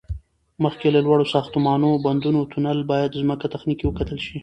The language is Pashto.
مخکې له لوړو ساختمانو، بندونو، تونل، باید ځمکه تخنیکی وکتل شي